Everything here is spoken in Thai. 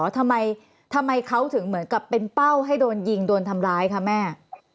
ทำไมเขาถึงเหมือนกับเป็นเป้าให้โดนยิงโดนทำร้ายคะแม่